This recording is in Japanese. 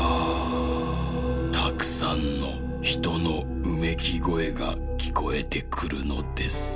たくさんのひとのうめきごえがきこえてくるのです」。